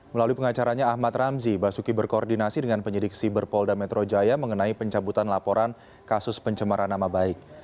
melalui pengacaranya ahmad ramzi basuki berkoordinasi dengan penyidik siber polda metro jaya mengenai pencabutan laporan kasus pencemaran nama baik